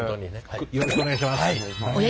よろしくお願いします。